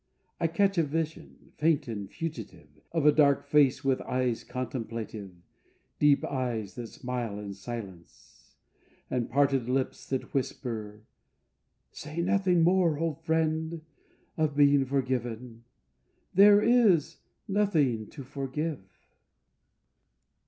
I catch a vision, faint and fugitive, Of a dark face with eyes contemplative, Deep eyes that smile in silence, And parted lips that whisper, 'Say nothing more, old friend, of being forgiven, There is nothing to forgive.'